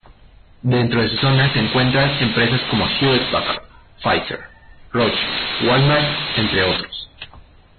Dentro de su zona se encuentran empresas como Hewlett-Packard, Pfizer, Roche, Wal-Mart, entre otros.